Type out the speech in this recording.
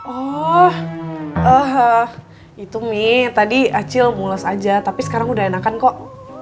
oh itu nih tadi acil mules aja tapi sekarang udah enakan kok